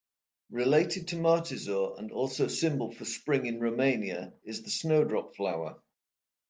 Related to Martisor and also symbol for spring in Romania is the snowdrop flower.